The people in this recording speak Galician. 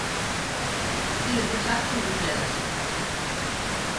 Estiven tres anos en Bruxelas.